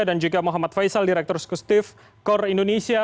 dan juga muhammad faisal direktur sekustif kor indonesia